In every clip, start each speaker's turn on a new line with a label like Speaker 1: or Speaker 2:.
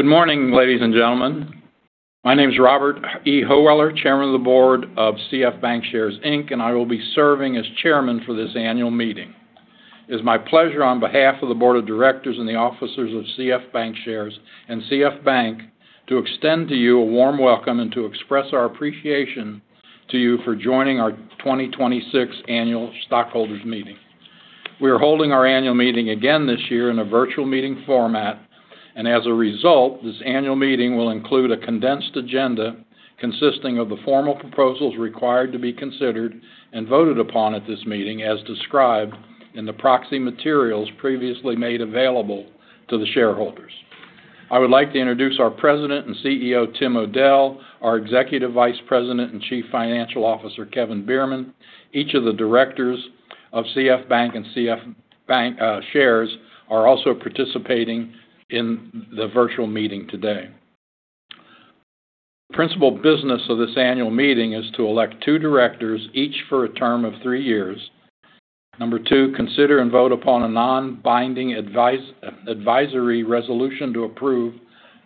Speaker 1: Good morning, ladies and gentlemen. My name is Robert E. Hoeweler, Chairman of the Board of CF Bankshares Inc., and I will be serving as chairman for this annual meeting. It is my pleasure, on behalf of the board of directors and the officers of CF Bankshares and CF Bank, to extend to you a warm welcome and to express our appreciation to you for joining our 2026 Annual Stockholders Meeting. We are holding our annual meeting again this year in a virtual meeting format, and as a result, this annual meeting will include a condensed agenda consisting of the formal proposals required to be considered and voted upon at this meeting, as described in the proxy materials previously made available to the shareholders. I would like to introduce our President and Chief Executive Officer, Tim O'Dell, our Executive Vice President and Chief Financial Officer, Kevin Beerman. Each of the directors of CFBank and CF Bankshares are also participating in the virtual meeting today. Principal business of this annual meeting is to elect two directors, each for a term of three years. Number two, consider and vote upon a non-binding advisory resolution to approve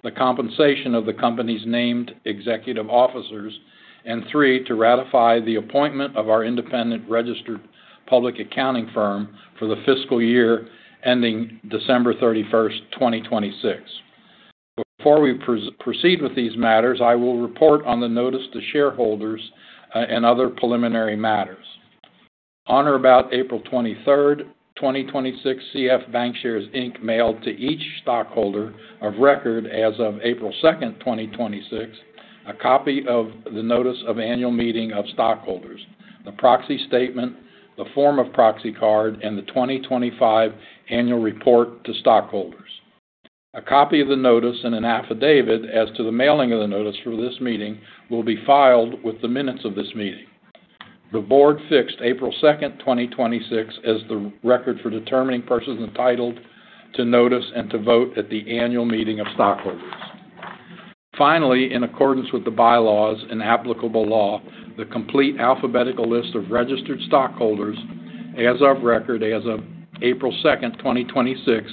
Speaker 1: the compensation of the company's named executive officers. Three, to ratify the appointment of our independent registered public accounting firm for the fiscal year ending December 31st, 2026. Before we proceed with these matters, I will report on the notice to shareholders, and other preliminary matters. On or about April 23rd, 2026, CF Bankshares Inc. mailed to each stockholder of record as of April 2nd, 2026, a copy of the notice of annual meeting of stockholders, the proxy statement, the form of proxy card, and the 2025 annual report to stockholders. A copy of the notice and an affidavit as to the mailing of the notice for this meeting will be filed with the minutes of this meeting. The board fixed April 2nd, 2026, as the record for determining persons entitled to notice and to vote at the annual meeting of stockholders. Finally, in accordance with the bylaws and applicable law, the complete alphabetical list of registered stockholders as of record as of April 2nd, 2026,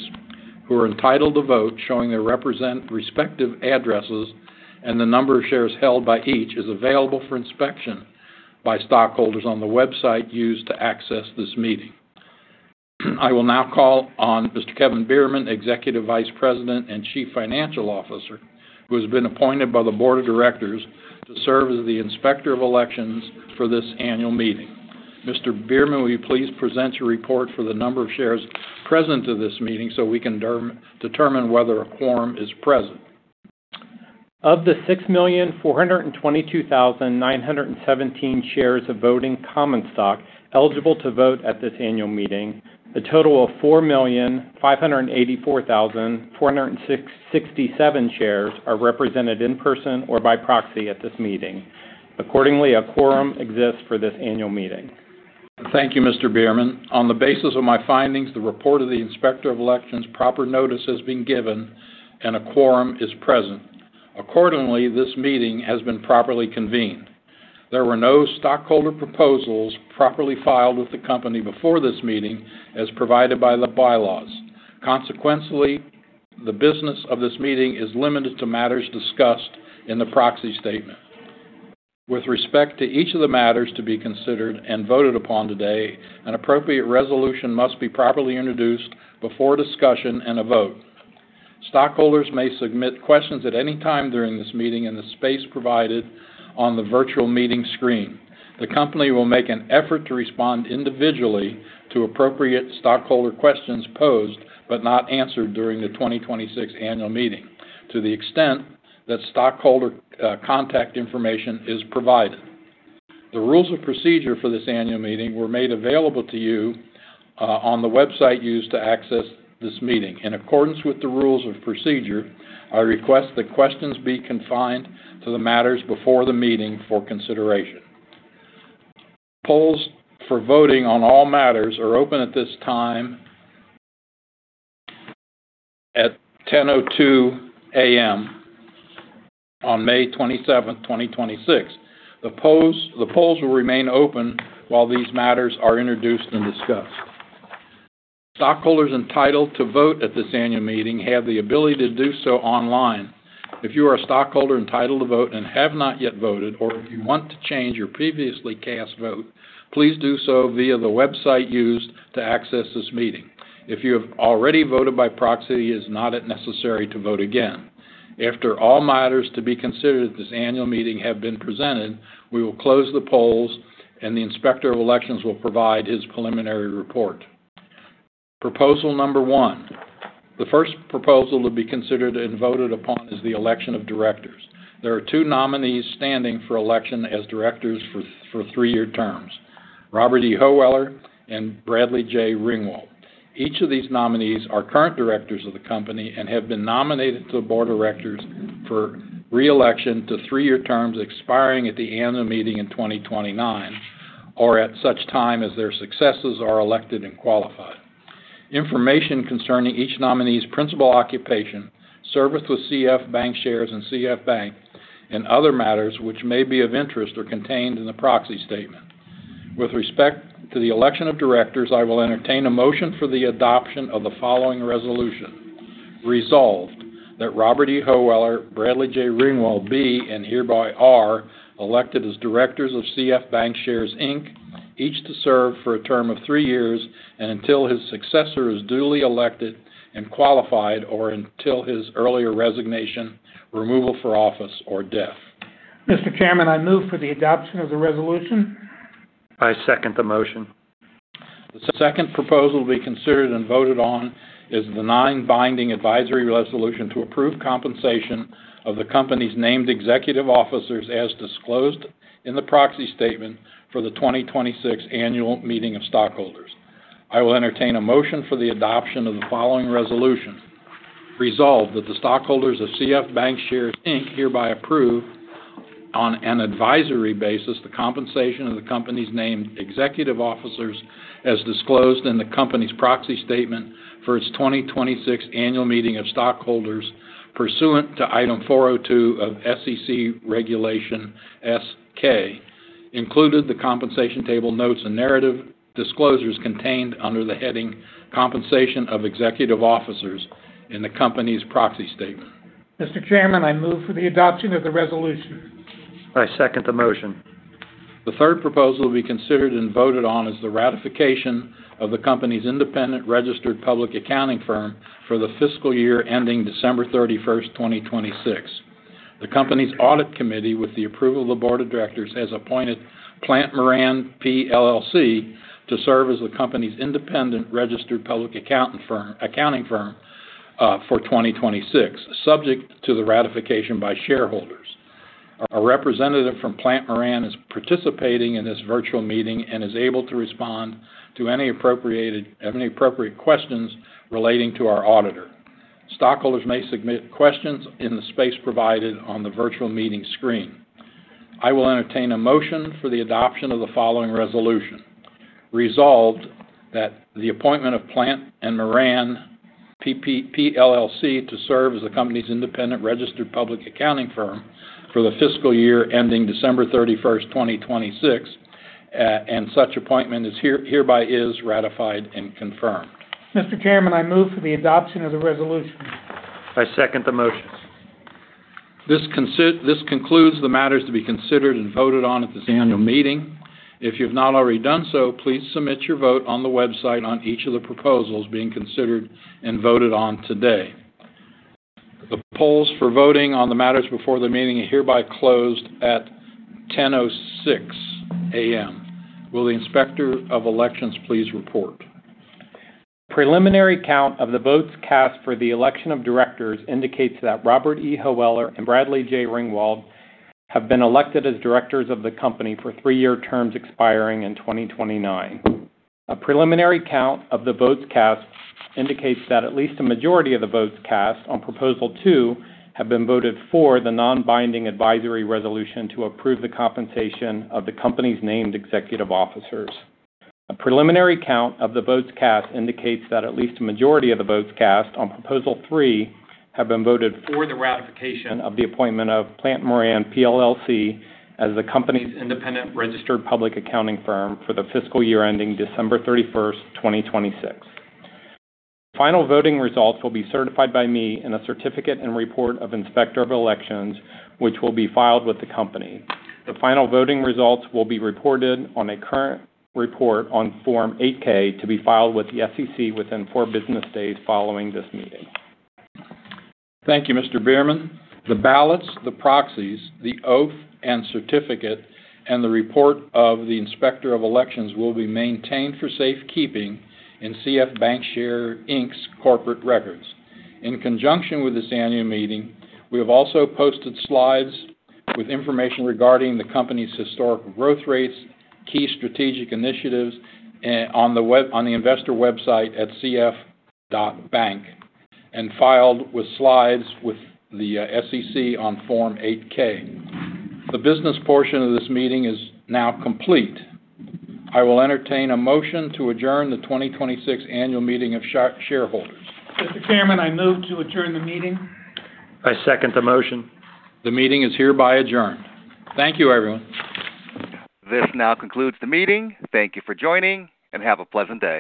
Speaker 1: who are entitled to vote, showing their respective addresses and the number of shares held by each, is available for inspection by stockholders on the website used to access this meeting. I will now call on Mr. Kevin Beerman, Executive Vice President and Chief Financial Officer, who has been appointed by the board of directors to serve as the Inspector of Elections for this annual meeting. Mr. Beerman, will you please present your report for the number of shares present to this meeting so we can determine whether a quorum is present?
Speaker 2: Of the 6,422,917 shares of voting common stock eligible to vote at this annual meeting, a total of 4,584,467 shares are represented in person or by proxy at this meeting. Accordingly, a quorum exists for this annual meeting.
Speaker 1: Thank you, Mr. Beerman. On the basis of my findings, the report of the Inspector of Elections, proper notice has been given and a quorum is present. Accordingly, this meeting has been properly convened. There were no stockholder proposals properly filed with the company before this meeting, as provided by the bylaws. Consequently, the business of this meeting is limited to matters discussed in the proxy statement. With respect to each of the matters to be considered and voted upon today, an appropriate resolution must be properly introduced before discussion and a vote. Stockholders may submit questions at any time during this meeting in the space provided on the virtual meeting screen. The company will make an effort to respond individually to appropriate stockholder questions posed but not answered during the 2026 annual meeting, to the extent that stockholder contact information is provided. The rules of procedure for this annual meeting were made available to you on the website used to access this meeting. In accordance with the rules of procedure, I request that questions be confined to the matters before the meeting for consideration. Polls for voting on all matters are open at this time at 10:02 A.M. on May 27th, 2026. The polls will remain open while these matters are introduced and discussed. Stockholders entitled to vote at this annual meeting have the ability to do so online. If you are a stockholder entitled to vote and have not yet voted, or if you want to change your previously cast vote, please do so via the website used to access this meeting. If you have already voted by proxy, it is not necessary to vote again. After all matters to be considered at this annual meeting have been presented, we will close the polls and the Inspector of Elections will provide his preliminary report. Proposal number one. The first proposal to be considered and voted upon is the election of directors. There are two nominees standing for election as directors for three-year terms: Robert E. Hoeweler and Bradley J. Ringwald. Each of these nominees are current directors of the company and have been nominated to the board of directors for re-election to three-year terms expiring at the annual meeting in 2029, or at such time as their successors are elected and qualified. Information concerning each nominee's principal occupation, service with CF Bankshares and CFBank, and other matters which may be of interest are contained in the proxy statement. With respect to the election of directors, I will entertain a motion for the adoption of the following resolution. Resolved, that Robert E. Hoeweler, Bradley J. Ringwald be and hereby are elected as directors of CF Bankshares Inc., each to serve for a term of three years and until his successor is duly elected and qualified, or until his earlier resignation, removal for office, or death.
Speaker 3: Mr. Chairman, I move for the adoption of the resolution.
Speaker 2: I second the motion.
Speaker 1: The second proposal to be considered and voted on is the non-binding advisory resolution to approve compensation of the company's named executive officers as disclosed in the proxy statement for the 2026 annual meeting of stockholders. I will entertain a motion for the adoption of the following resolution. Resolved, that the stockholders of CF Bankshares Inc. hereby approve, on an advisory basis, the compensation of the company's named executive officers as disclosed in the company's proxy statement for its 2026 annual meeting of stockholders pursuant to Item 402 of SEC Regulation S-K, included the compensation table notes and narrative disclosures contained under the heading "Compensation of Executive Officers" in the company's proxy statement.
Speaker 3: Mr. Chairman, I move for the adoption of the resolution.
Speaker 2: I second the motion.
Speaker 1: The third proposal to be considered and voted on is the ratification of the company's independent registered public accounting firm for the fiscal year ending December 31st, 2026. The company's audit committee, with the approval of the board of directors, has appointed Plante Moran, PLLC to serve as the company's independent registered public accounting firm for 2026, subject to the ratification by shareholders. A representative from Plante Moran is participating in this virtual meeting and is able to respond to any appropriate questions relating to our auditor. Stockholders may submit questions in the space provided on the virtual meeting screen. I will entertain a motion for the adoption of the following resolution. Resolved, that the appointment of Plante Moran, PLLC to serve as the company's independent registered public accounting firm for the fiscal year ending December 31st, 2026, and such appointment is hereby ratified and confirmed.
Speaker 3: Mr. Chairman, I move for the adoption of the resolution.
Speaker 2: I second the motion.
Speaker 1: This concludes the matters to be considered and voted on at this annual meeting. If you've not already done so, please submit your vote on the website on each of the proposals being considered and voted on today. The polls for voting on the matters before the meeting are hereby closed at 10:06 A.M. Will the Inspector of Elections please report?
Speaker 2: A preliminary count of the votes cast for the election of directors indicates that Robert E. Hoeweler and Bradley J. Ringwald have been elected as directors of the company for three-year terms expiring in 2029. A preliminary count of the votes cast indicates that at least a majority of the votes cast on proposal two have been voted for the non-binding advisory resolution to approve the compensation of the company's named executive officers. A preliminary count of the votes cast indicates that at least a majority of the votes cast on proposal three have been voted for the ratification of the appointment of Plante Moran, PLLC as the company's independent registered public accounting firm for the fiscal year ending December 31st, 2026. Final voting results will be certified by me in a certificate and report of Inspector of Elections, which will be filed with the company. The final voting results will be reported on a current report on Form 8-K to be filed with the SEC within four business days following this meeting.
Speaker 1: Thank you, Mr. Beerman. The ballots, the proxies, the oath and certificate, and the report of the Inspector of Elections will be maintained for safekeeping in CF Bankshares Inc.'s corporate records. In conjunction with this annual meeting, we have also posted slides with information regarding the company's historical growth rates, key strategic initiatives on the investor website at cf.bank, and filed with slides with the SEC on Form 8-K. The business portion of this meeting is now complete. I will entertain a motion to adjourn the 2026 annual meeting of shareholders.
Speaker 3: Mr. Chairman, I move to adjourn the meeting.
Speaker 2: I second the motion.
Speaker 1: The meeting is hereby adjourned. Thank you, everyone.
Speaker 4: This now concludes the meeting. Thank you for joining, and have a pleasant day.